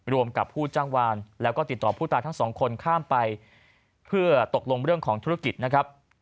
กับผู้จ้างวานแล้วก็ติดต่อผู้ตายทั้งสองคนข้ามไปเพื่อตกลงเรื่องของธุรกิจนะครับ